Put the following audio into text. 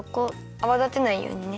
あわだてないようにね。